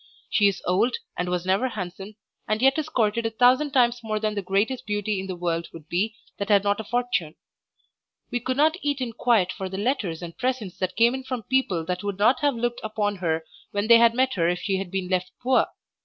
She is old and was never handsome, and yet is courted a thousand times more than the greatest beauty in the world would be that had not a fortune. We could not eat in quiet for the letters and presents that came in from people that would not have looked upon her when they had met her if she had been left poor.